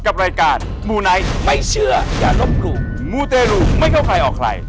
กับรายการมูไนท์ไม่เชื่ออย่าลบหลู่มูเตรูไม่เข้าใครออกใคร